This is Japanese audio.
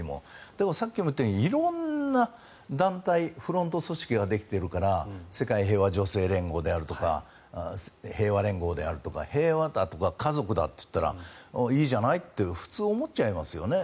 でもさっきも言ったように色んな団体、フロント組織ができているから世界平和女性連合であるとか平和連合であるとか平和だとか家族だって言ったらいいじゃないって普通は思っちゃいますよね。